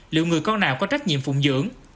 liệu người con nào có trách nhiệm phụng dưỡng